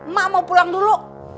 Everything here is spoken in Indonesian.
mak mau pulang dulu